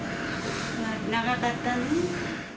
長かったね。